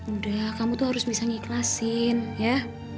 udah kamu tuh harus bisa nyikhlasin ya